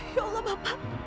ya allah bapak